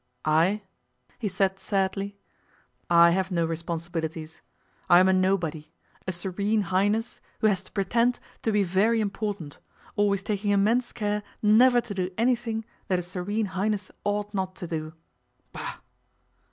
'I?' he said sadly. 'I have no responsibilities. I am a nobody a Serene Highness who has to pretend to be very important, always taking immense care never to do anything that a Serene Highness ought not to do. Bah!